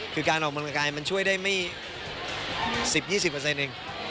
คือการออกกำลังกายมันช่วยได้ไม่๑๐๒๐เอง